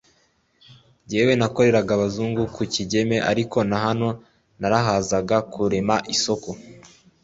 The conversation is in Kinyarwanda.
njyewe nakoreraga abazungu ku Kigeme ariko na hano narahazaga kurema isoko